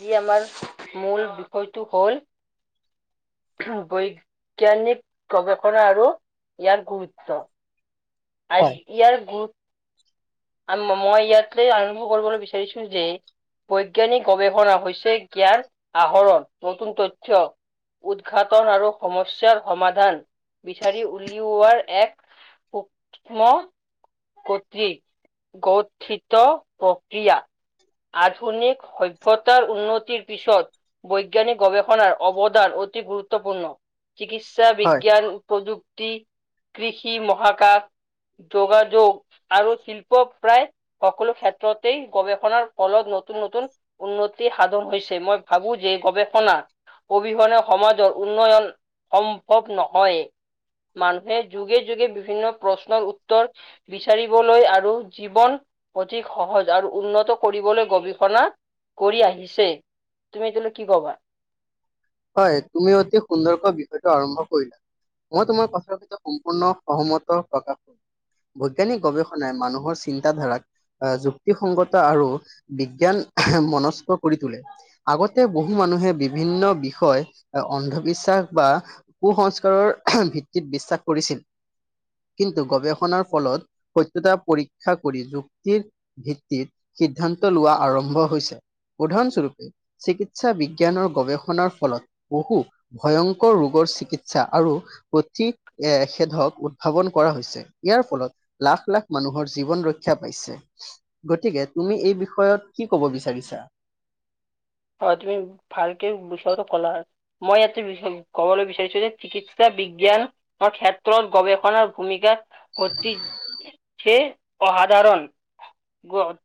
যি আমাৰ মূল বিষয়টো হ'ল বৈজ্ঞানিক গৱেষণা আৰু ইয়াৰ গুৰুত্ব। আই হয়, ইয়াৰ গুৰু ম-মই ইয়াতে আৰম্ভ কৰিবলৈ বিচাৰিছো যে বৈজ্ঞানিক গৱেষণা হৈছে জ্ঞান আহৰণ নতুন তথ্য। উদঘাটন আৰু সমস্যাৰ সমাধান বিচাৰি উলিওৱাৰ এক সূক্ষ্ম গতি গঠিত প্ৰক্ৰিয়া। আধুনিক সভৰ উন্নতিৰ পিছত বৈজ্ঞানিক গৱেষণাৰ অৱদান অতি গুৰুত্বপূৰ্ণ। চিকিৎসা হয়, বিজ্ঞান, প্ৰযুক্তি কৃষি, মহাকাশ, যোগাযোগ আৰু শিল প্ৰায় সকলো ক্ষেত্ৰতেই গৱেষণাৰ ফলত নতুন নতুন উন্নতি সাধন হৈছে, মই ভাবো যে গৱেষণা অবিহনে সমাজৰ উন্নয়ন সম্ভৱ নহয়। মানুহে যুগে যুগে বিভিন্ন প্ৰশ্নৰ উত্তৰ বিচাৰিবলৈ আৰু জীৱন অধিক সহজ আৰু উন্নত কৰিবলৈ গৱেষণা কৰি আহিছে। তুমি এইটো লৈ কি কবা? হয় তুমি অতি সুন্দৰকৈ বিষয়টো আৰম্ভ কৰিলা মই তোমাৰ কথাৰ ভিতৰত সম্পূৰ্ণ সহমত প্ৰকাশ কৰো। বৈজ্ঞানিক গৱেষণাই মানুহৰ চিন্তাধাৰাক এ যুক্তিসংগতা আৰু বিজ্ঞান মনস্ক কৰি তোলে। আগতে বহু মানুহে বিভিন্ন বি বিষয় অন্ধবিশ্বাস বা কুসস্কাৰৰ ভিত্তিত বিশ্বাস কৰিছিল। কিন্তু গৱেষণাৰ ফলত সত্যতা পৰীক্ষা কৰি যুক্তিৰ ভিত্তিত সিদ্ধান্ত লোৱা আৰম্ভ হৈছে, উদাহৰণস্বৰূপে চিকিৎসা বিজ্ঞানৰ গৱেষণাৰ ফলত বহু ভয়ংকৰ ৰোগৰ চিকিৎসা আৰু প্ৰতি এ সেধক থাপন কৰা হৈছে, ইয়াৰ ফলত লাখ লাখ মানুহৰ জীৱন ৰক্ষা পাইছে। গতিকে তুমি এই বিষয়ত কি কব বিচাৰিছা? হয় তুমি ভালকে বিষয়টো কলা মই ইয়াতে [unintelligible] ক'বলৈ বিচাৰিছো যে চিকিৎসা বিজ্ঞান ক্ষেত্ৰত গৱেষণাৰ ভূমিকা অতি কে অসাধাৰণ। গত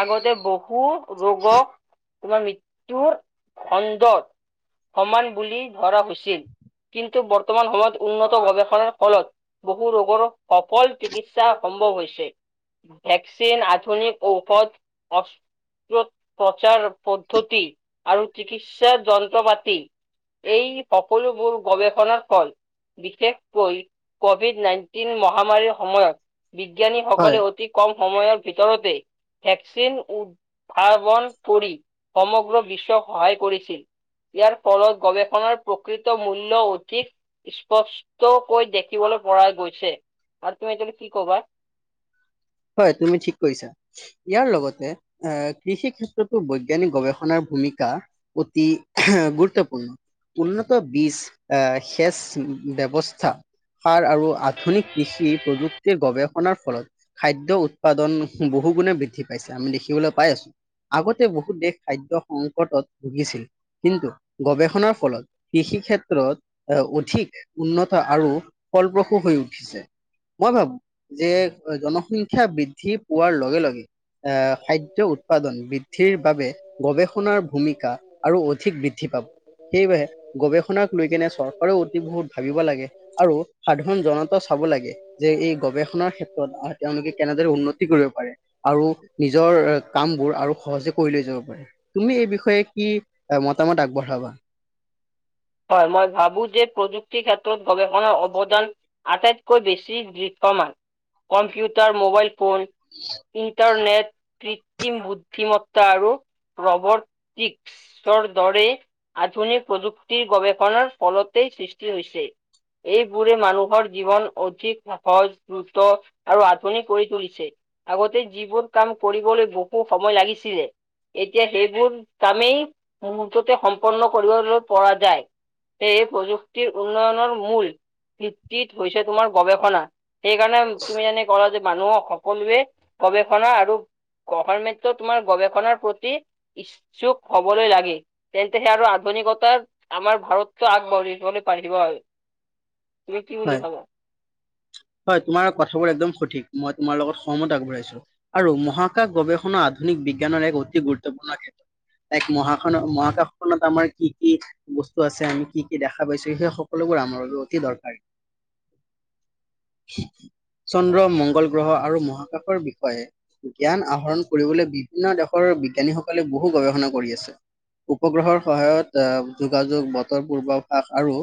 আগতে বহু ৰোগক তোমাৰ মৃ ুৰ খণ্ডৰ সমান বুলি ধৰা হৈছিল কিন্তু বৰ্তমান সময়ত উন্নত গৱেষণাৰ ফলত। বহু ৰোগৰ সফল চিকিৎসা সম্ভৱ হৈছে। ভেকচিন আধুনিক ঔষধ অ [unintelligible] প্ৰচাৰ, কতি আৰু চিকিৎসা যন্ত্ৰ পাতি। এই সকলোবোৰ গৱেষণাৰ ফল। বিশেষকৈ কভিড নাইণ্টিন মহামাৰীৰ সময়ত হয়, বিজ্ঞানীসকলে অতি- কম সময়ৰ ভিতৰতে ভেকচিন উদ্ভাৱন কৰি- সমগ্ৰ বিশ্বক সহায় কৰিছিল। ইয়াৰ ফলত গৱেষণাৰ প্ৰকৃত মূল্যৰ অধিক- স্পষ্টকৈ দেখিবলৈ পৰা গৈছে আৰু তুমি এতিয়া কি কবা। হয় তুমি ঠিক কৈছা। ইয়াৰ লগতে এ কৃষি ক্ষেত্ৰতো বৈজ্ঞানিক গৱেষণাৰ ভূমিকা- অতি গুৰুত্বপূৰ্ণ। উন্নত বীজ আহ শেচ ব্যৱস্থাৰ - সাৰ আৰু আধুনিক কৃষি প্ৰযুক্তিৰ গৱেষণাৰ ফলত, খাদ্যয় উৎপাদন বহু গুণে বৃদ্ধি পাইছে আমি দেখিবলৈ পাই আছোঁ। আগতে বহুত দেশ খাদ্য সংকটত ভুগিছিল। কিন্তু, গৱেষণাৰ ফলত- কৃষি ক্ষেত্ৰত এ অধিক উন্নত আৰু ফলপ্ৰসূ হৈ উঠিছে। মই ভাবো যে জনসংখ্যা বৃদ্ধি পোৱাৰ লগে লগে, আহ', খাদ্য উৎপাদন বৃদ্ধিৰ বাবে- গৱেষণাৰ ভূমিকা আৰু অধিক বৃদ্ধি পাব। সেইবাবে গৱেষণাক লৈ কেনে চৰকাৰে- বহুত ভাবিব লাগে। আৰু সাধাৰণ জনতাও চাব লাগে, যে এই গৱেষণাৰ ক্ষেত্ৰত- তেওঁলোকে কেনেদৰে উন্নতি কৰিব পাৰে। আৰু নিজৰ কাম বোৰ আৰু সহজে কৰি লৈ যাব পাৰে। তুমি এই বিষয়ে কি মতামত আগবঢ়াবা। হয় মই ভাবোঁ যে প্ৰযুক্তিৰ ক্ষেত্ৰত গৱেষণাৰ অৱদান- আটাইতকৈ বেছি বৃক্ষমান। কম্পিউটাৰ মোবাইল- ফোন ইণ্টাৰনেট- ক্ৰিম বুদ্ধিমত্তা আৰু প্ৰৱৰ্তিক- বিশ্বৰ দৰে আধুনিক প্ৰযুক্তিৰ গৱেষণাৰ ফলতেই সৃষ্টি হৈছে। এইবোৰে মানুহৰ জীৱন অধিক সহজ দ্ৰুত- আৰু আধুনিক কৰি তুলিছে। আগতে যিবোৰ কাম কৰিবলৈ বহু সময় লাগিছিলে - এতিয়া সেইবোৰ কামেই মুহ্ততে সম্পন্ন কৰিবলৈ পৰা যায়। সেয়ে প্ৰযুক্তিৰ উন্নয়নৰ মূল ভিত্তিত হৈছে তোমাৰ গৱেষণা। সেইকাৰণে তুমি জানি কৰা যে- মানুহক সকলোৱে গৱেষণা আৰু গভাৰ মেনটত তোমাৰ গৱেষণাৰ- প্ৰতি ইচ্ছুক হবলৈ লাগে। তেন্তে সেইয়া আৰু আধুনিকতাৰ আমাৰ ভাৰতত আগবঢ়িবলৈ বাঢ়িব হয়। তুমি কি হয়? বুলি ভাবা? হয় তোমাৰ কথাবোৰ একদম সঠিক মই তোমাৰ লগত সময় আগবঢ়াইছোঁ। আৰু মহাকাশ গৱেষণা আধুনিক বিজ্ঞানৰ এক অতি গুৰুত্বপূৰ্ণ ক্ষেত্ৰত- তাইক মহাাসনত মহাকাশখনত আমাৰ কি কি- বস্তু আছে আমি কি কি দেখা পাইছো সকলোবোৰ আমাৰ বাবে অতি দৰকাৰী। [inaudible] চন্দ, মংগল আৰু মহাকাশৰ বিষয়ে- জ্ঞান আহৰণ কৰিবলৈ বিভিন্ন দেশৰ বিজ্ঞানীসকলে বহু গৱেষণা কৰি আছে। উপগ্ৰহৰ সহায়ত আহ যোগাযোগ, বতৰ, পূৰ্বাভাস আৰু,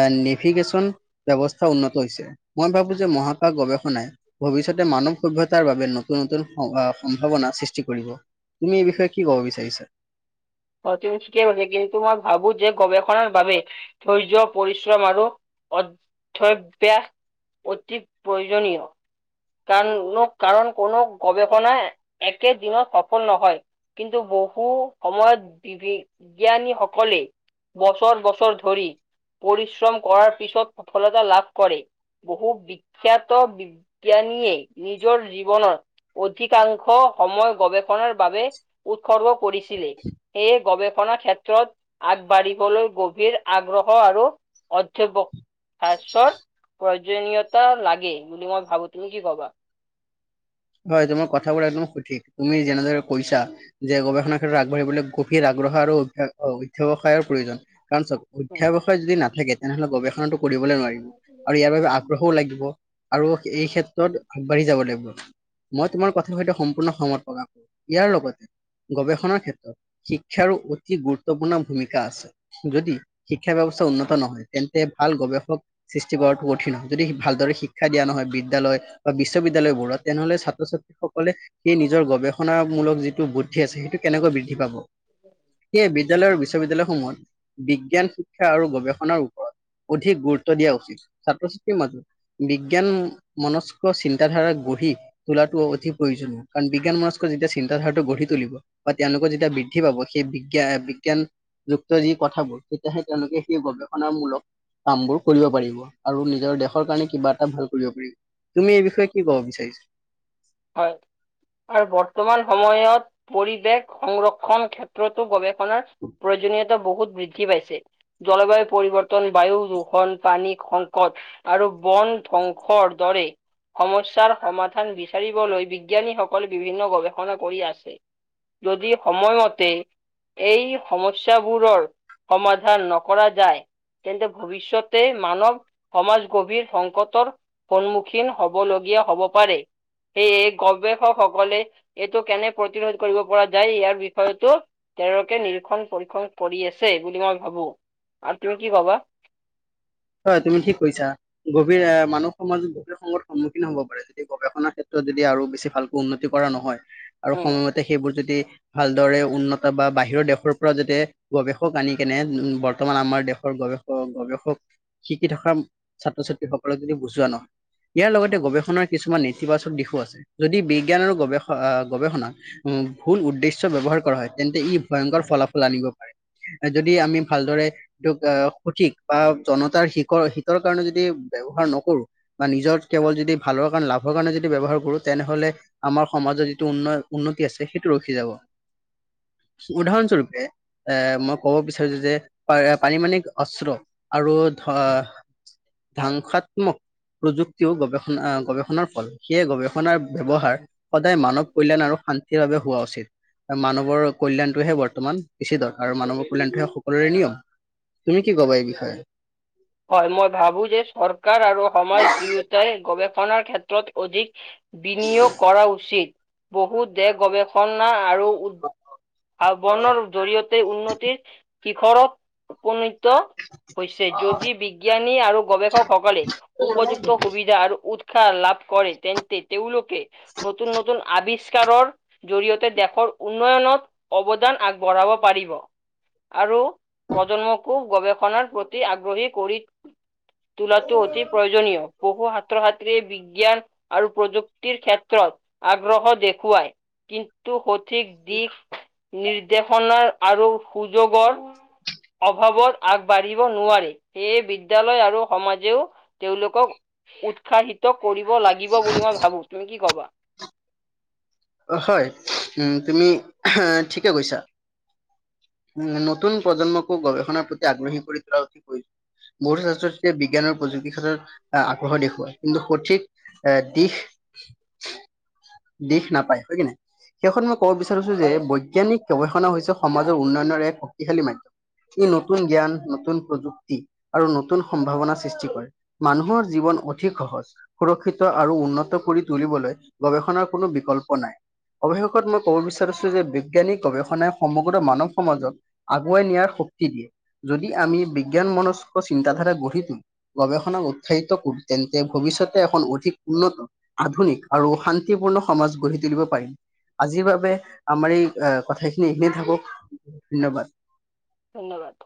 আ নেভিগেশ্বন, ব্যৱস্থা উন্নত হৈছে। মই ভাবো যে মহাকাশ গৱেষণাই ভৱিষ্যতে মানৱ সভ্যতাৰ- নতুন নতুন স সম্ভাৱনাৰ সৃষ্টি কৰিব তুমি এই বিষয়ে কি ক'ব বিচাৰিছা। অ তুমি ঠিকেই কৈছা কিন্তু তোমাৰ ভাবো যে গৱেষণাৰ বাবে। ধৈৰ্য্য পৰিশ্ৰম আৰু অধ্যতব্যাস। অতি প্ৰয়োজনীয়। কাৰণ কাৰণ কোনো গৱেষণাই একে দিনত সফল নহয়। কিন্তু বহু সময়ত বি বিজ্ঞানীসকলে। বছৰ বছৰ ধৰি। পৰিশ্ৰম কৰাৰ পিছত সফলতা লাভ কৰে বহু বিখ্যাত বি। বিজ্ঞানীয়ে নিজৰ জীৱনৰত। অধিকাংশ সময় গৱেষণাৰ বাবে উৎসৰ্গ কৰিছিলে। সেয়ে গৱেষণা ক্ষেত্ৰত আগবাঢ়িবলৈ গভীৰ আগ্ৰহ আৰু অধ্যাপক। ফাশ্চৰ প্ৰয়োজনীতা লাগে বুলি মই ভাবো তুমি কি ভাবা? হয় তোমাৰ কথাবোৰ একদম সঠিক তুমি যেনেদৰে কৈছা। যে গৱেষণাৰ ক্ষেত্ৰত আগবাঢ়িবলৈ গভীৰ আগ্ৰহ আৰু অভ্যা অধ্যাৱসায়ৰ প্ৰয়োজন। কাৰণ চাওঁক উম, অধ্যাৱসায় যদি নাথাকে তেনেহলে গৱেষণাটো কৰিবলৈ নোৱাৰিব আৰু ইয়াৰ বাবে। আগ্ৰহও লাগিব আৰু এই উম, ক্ষেত্ৰত আগবাঢ়ি যাব লাগিব। মই তোমাৰ কথাৰ সৈতে সম্পূৰ্ণ সহমত প্ৰকাশ কৰো ইয়াৰ লগতে গৱেষণাৰ ক্ষেত্ৰত। শিক্ষাৰো অতি গুৰুত্বপূৰ্ণ ভূমিকা আছে। যদি শিক্ষা ব্যৱস্থা উন্নত নহয় তেন্তে ভাল গৱেষক। সৃষ্টি কৰাটো কঠিন হয় যদি ভালদৰে শিক্ষা দিয়া নহয় বিদ্যালয় বা বিশ্ববিদ্যালয়বোৰত। তেনেহলে ছাত্ৰ- ছাত্ৰীসকলে সেই নিজৰ গৱেষণাামূলক যিটো। উঠি আছে সেইটো কেনেকৈ বৃদ্ধি পাব সেয়ে বিদ্যালয়ৰ। বিশ্ববিদ্যালয়সমূহত বিজ্ঞান শিক্ষা আৰু গৱেষণাৰ ওপৰত অধিক গুৰুত্ব দিয়া উচিত। ছাত্ৰ ছাত্ৰীৰ মাজত বিজ্ঞান মনস্ক চিন্তাধাৰা গঢ়ি। তোলাটো অতি প্ৰয়োজনীয় কাৰণ বিজ্ঞান মনস্ক যেতিয়া চিন্তাধাৰা গঢ়ি তুলিব। বা তেওঁলোকৰ যেতিয়া বৃদ্ধি পাব সেই বিজ্ঞা বিজ্ঞান। যুক্ত যি কথাবোৰ তেতিয়াহে তেওঁলোকে সেই গবেষণামূলক। কামবোৰ কৰিব পাৰিব আৰু নিজৰ দেশৰ কাৰণে কিবা এটা ভাল কৰিব পাৰিব। তুমি এই বিষয়ে কি কব বিচাৰিছা? হয় আৰু বৰ্তমান সময়ত পৰিৱেশ সংৰক্ষণ ক্ষেত্ৰতো গৱে। আপোনাৰ প্ৰয়োজনীয়তা বহুত বৃদ্ধি পাইছে। জলবায়ু পৰিৱৰ্তন, বায়ু দূষন, পানী সংকট। আৰু বন ধ্বংসৰ দৰে সমস্যাৰ সমাধান বি। বিচাৰিবলৈ বিজ্ঞানীসকল বিভিন্ন গৱেষণা কৰি আছে যদি সময়মতে- এই সমস্যাবোৰৰ সমাধান নকৰা যায়। তেন্তে ভৱিষ্যতে মানৱ সমাজ গভীৰ সংকটৰ। সন্মুখীন হ'ব লগীয়া হ'ব পাৰে। সেয়ে গৱেষকসকলে এইটো কেনে প্ৰতিৰোধ কৰিব পৰা যায় ইয়াৰ বিষয়তো। তেওঁলোকে নিৰীক্ষণ পৰীক্ষণ কৰি আছে বুলি মই ভাবো আৰু তুমি কি ভাবা। হয়, তুমি ঠিক কৈছা। গভীৰ এ মানৱ সমাজত গভীৰ সংকত সন্মুখীন হ'ব পাৰে যদি গৱেষণাৰ ক্ষেত্ৰত যদি আৰু বেছি ভাল উন্নতি কৰা নহয় আৰু সময়মতে সেইবোৰ যদি ভালদৰে উন্নত বা বাহিৰৰ দেশৰ পৰা যাতে গৱেষক আনি কেনে বৰ্তমান আমাৰ দেশৰ গৱেষক গৱেষক শিকি থকা ছাত্ৰ-ছাত্ৰী সকলক যদি বুজোৱা ন, ইয়াৰ লগতে উম। গৱেষণাৰ কিছুমান নিতিবাচক দিশো আছে। যদি বিজ্ঞান আৰু গৱেষ অ গৱেষণাক উম ভুল উদ্দেশ্য ব্যৱহাৰ হয় তেন্তে ই ভয়ংকৰ ফলাফল আনিব পাৰে। যদি আমি ভালদৰে, এইটোক অ সঠিক বা জনত তাৰ সিকৰ-হিতৰ কাৰণে যদি ব্যৱহাৰ নকৰো বা নিজৰ কেৱল যদি ভালৰ কাৰণে, লাভৰ কাৰণে যদি ব্যৱহাৰ কৰোঁ তেনেহলে আমাৰ সমাজৰ যিটো উন্ন-উন্নতি আছে, সেইটো ৰখি যাব। উদাহৰণস্বৰূপে এ মই ক'ব বিচাৰো যে পা-পাৰিমাণিক অস্ত্ৰ আৰু ধ ধ্বাংসাত্মক প্ৰযুক্তিও গৱেষণা অ গৱেষণাৰ ফল। সেয়ে গৱেষণাৰ ব্যৱহাৰ সদায় মানৱ কল্যাণ আৰু শান্তিৰ বাবে হোৱা উচিত। মানৱৰ কল্যাণটোহে বৰ্তমান বেছি দৰকাৰ। মানৱৰ কল্যাণটোহে সকলোৰে নিয়ম। তুমি কি কবা এই বিষয়ে? হয়, মই ভাবো যে চৰকাৰ আৰু সমাজ দুয়োটাই গৱেষণাৰ ক্ষেত্ৰত অধিক বিনিয়োগ কৰা উচিত। বহু দেশ গৱেষণা আৰু উ [unintelligible] জৰিয়তে উন্নতিৰ শিখৰত উপনীত হৈছে। যদি বিজ্ঞানী আৰু গৱেষকসকলে উপযুক্ত সুবিধা আৰু উৎ ক্ষা লাভ কৰে, তেন্তে তেওঁলোকে নতুন নতুন আৱিষ্কাৰৰ জৰিয়তে দেশৰ উন্নয়নত অৱদান আগবঢ়াব পাৰিব আৰু প্ৰজন্মকো গৱেষণাৰ প্ৰতি আগ্ৰহী কৰি তোলাটো অতি প্ৰয়োজনীয়। বহু সাত্ৰ-সাত্ৰীয়ে বিজ্ঞান আৰু প্ৰযুক্তিৰ ক্ষেত্ৰত আগ্ৰহ দেখুৱায়। কিন্তু সঠিক দিশ নিৰ্দেশনাৰ আৰু সুযোগৰ অভাৱত আগবাঢ়িব নোৱাৰে। সেয়ে বিদ্যালয় আৰু সমাজেও তেওঁলোকক উৎসাহিত কৰিব লাগিব বুলি মই ভাবো। তুমি কি কবা? অ' হয়। উম, তুমি অহ ঠিকে কৈছা। উম, নতুন প্ৰজন্মকো গৱেষণাৰ প্ৰতি আগ্ৰহী কৰি তোলাৰ অতি প্ৰয়োজন। বহুতো ছাত্ৰ-ছাত্ৰীয়ে বিজ্ঞান আৰু প্ৰযুক্তিৰ ক্ষেত্ৰত আহ আগ্ৰহ দেখুওৱায়, কিন্তু সঠিক এ দিশ, দিশ নাপায়, হয় কি নাই? শেষত মই ক'ব বিচাৰিছো যে, হয়, বৈজ্ঞানিক গৱেষণা হৈছে সমাজৰ উন্নয়নৰ এক শক্তিশালী মাধ্যম। ই নতুন জ্ঞান, নতুন প্ৰযুক্তি আৰু নতুন সম্ভাৱনা সৃষ্টি কৰে। মানুহৰ জীৱন অধিক সহজ সুৰক্ষিত আৰু উন্নত কৰি তুলিবলৈ গৱেষণাৰ কোনো বিকল্প নাই। অৱশেষত মই ক'ব বিচাৰিছো যে, বিজ্ঞানিক গৱেষণাই সম গ্ৰ মানৱ সমাজক আগুৱাই নিয়াৰ শক্তি দিয়ে। যদি আমি বিজ্ঞান মনস্ক চিন্তাধাৰা গঢ়ি তোলোঁ গৱেষণা উৎসাহিত কৰো তেন্তে ভৱিষ্যতে এখন অধিক উন্নত আধুনিক আৰু শান্তিপূৰ্ণ সমাজ গঢ়ি তুলিব পাৰিম। আজিৰ বাবে আমাৰ এই অ কথাখিনি এইখিনিয়ে থাকক, ধন্যবাদ। ধন্যবাদ।